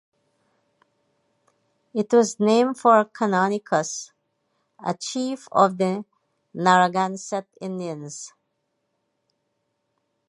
It was named for Canonicus, a chief of the Narragansett Indians.